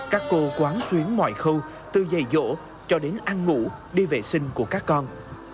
các cô quán xuyến mọi khâu từ dày dỗ cho đến ăn ngủ đi vệ sinh của các con